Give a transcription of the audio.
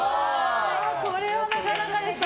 これはなかなかでしたね。